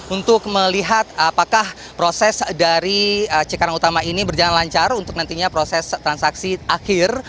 untuk melihat apakah proses dari cikarang utama ini berjalan lancar untuk nantinya proses transaksi akhir